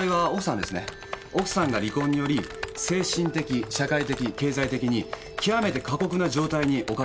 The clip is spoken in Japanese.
奥さんが離婚により精神的社会的経済的に極めて過酷な状態に置かれないこと。